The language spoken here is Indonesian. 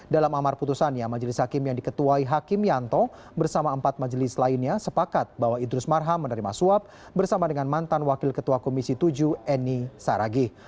dalam amar putusannya majelis hakim yang diketuai hakim yanto bersama empat majelis lainnya sepakat bahwa idrus marham menerima suap bersama dengan mantan wakil ketua komisi tujuh eni saragih